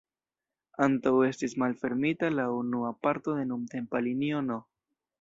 Antaŭ estis malfermita la unua parto de nuntempa linio no.